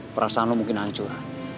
perasaan lo mungkin hancur